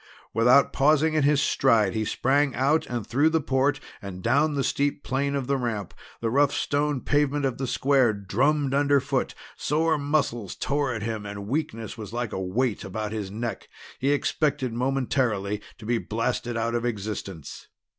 Without pausing in his stride he sprang out and through the port and down the steep plane of the ramp. The rough stone pavement of the square drummed underfoot; sore muscles tore at him, and weakness was like a weight about his neck. He expected momentarily to be blasted out of existence.